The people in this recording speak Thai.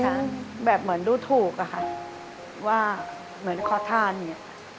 เขาแบบเหมือนดูถูกอะค่ะว่าเหมือนขอทานอย่างงี้